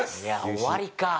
終わりかあ。